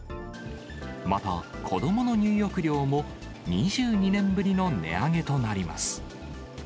また、子どもの入浴料も２２年ぶりの値上げとなります。